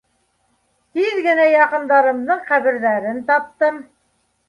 Тиҙ генә яҡындарымдың ҡәберҙәрен таптым.